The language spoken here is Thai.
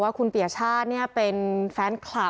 และก็มีการกินยาละลายริ่มเลือดแล้วก็ยาละลายขายมันมาเลยตลอดครับ